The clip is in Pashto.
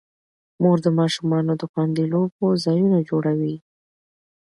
مور د ماشومانو د خوندي لوبو ځایونه جوړوي.